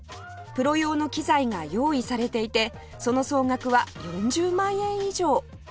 プロ用の機材が用意されていてその総額は４０万円以上